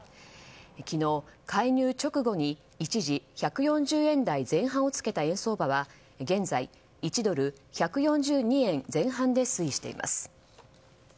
昨日、介入直後に一時１４０円台前半をつけた円相場は、現在１ドル＝１４２円前半で推移しています。